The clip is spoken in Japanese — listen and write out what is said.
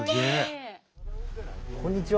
こんにちは。